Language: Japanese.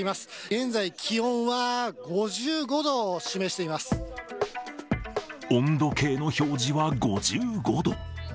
現在、気温は５５度を示していま温度計の表示は５５度。